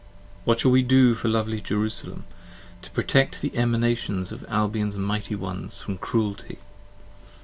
O what shall we do for lovely Jerusalem? To proted the Emanations of Albion's mighty ones from cruelty?